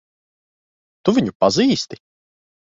Tu viņu pazīsti?